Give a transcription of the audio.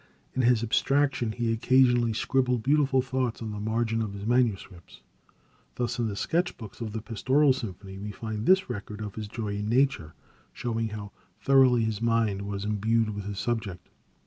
In his abstraction he occasionally scribbled beautiful thoughts on the margin of his manuscripts. Thus, in the sketch books of the Pastoral Symphony, we find this record of his joy in nature, showing how thoroughly his mind was imbued with his subject.